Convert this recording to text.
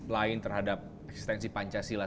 lain terhadap ekstensi pancasila